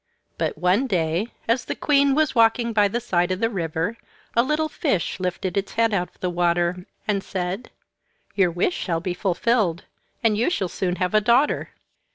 But one day, as the queen was walking by the side of the river, a little fish lifted its head out of the water, and said, "Your wish shall be fulfilled, and you shall soon have a daughter."